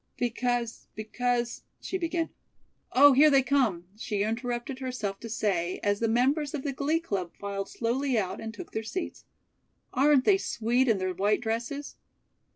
"Because because " she began. "Oh, here they come!" she interrupted herself to say, as the members of the Glee Club filed slowly out and took their seats. "Aren't they sweet in their white dresses?"